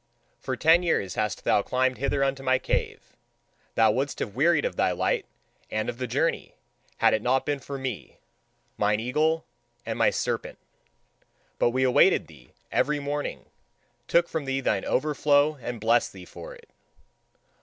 For ten years hast thou climbed hither unto my cave: thou wouldst have wearied of thy light and of the journey, had it not been for me, mine eagle, and my serpent. But we awaited thee every morning, took from thee thine overflow and blessed thee for it.